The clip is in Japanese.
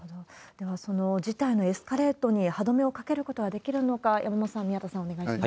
ではその事態のエスカレートに歯止めをかけることができるのか、山本さん、宮田さん、お願いします。